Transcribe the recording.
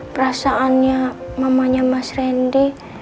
perasaannya mamanya mas randy